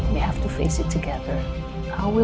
kita harus hadapi ini bersama sama